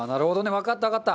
わかったわかった！